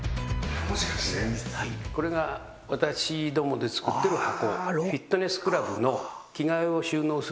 はいこれが私どもで作ってる箱